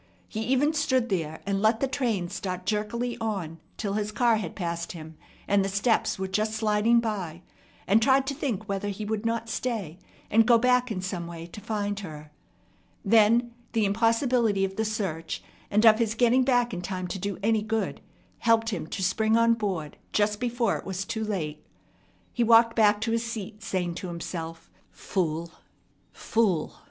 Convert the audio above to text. He even stood there, and let the train start jerkily on till his car had passed him, and the steps were just sliding by, and tried to think whether he would not stay, and go back in some way to find her. Then the impossibility of the search, and of his getting back in time to do any good, helped him to spring on board just before it was too late. He walked back to his seat saying to himself, "Fool! Fool!"